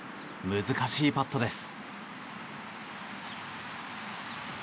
難しいパットです。